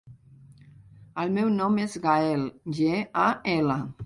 El meu nom és Gaël: ge, a, ela.